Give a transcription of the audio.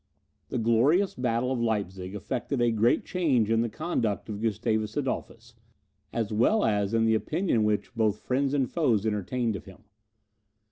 The glorious battle of Leipzig effected a great change in the conduct of Gustavus Adolphus, as well as in the opinion which both friends and foes entertained of him.